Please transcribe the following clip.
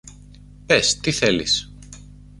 Πες, τι θέλεις;